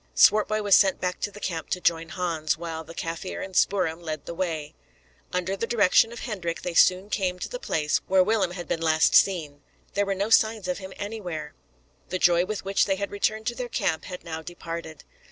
Swartboy was sent back to the camp to join Hans, while the Kaffir and Spoor'em led the way. Under the direction of Hendrik they soon came to the place where Willem had been last seen. There were no signs of him anywhere. The joy with which they had returned to their camp had now departed.